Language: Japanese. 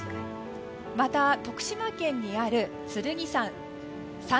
また、徳島県にある剣山。